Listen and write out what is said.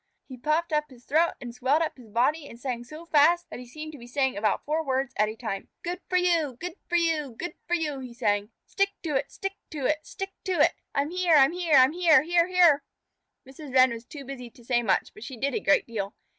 He puffed up his throat and swelled up his body and sang so fast that he seemed to be saying about four words at a time. [Illustration: THE FIGHT FOR THE BIRD HOUSE. Page 18] "Good for you! Good for you! Good for you!" he sang. "Stick to it! Stick to it! Stick to it! I'm here! I'm here! I'm here, here, here!" Mrs. Wren was too busy to say much, but she did a great deal.